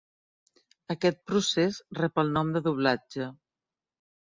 Aquest procés rep el nom de doblatge.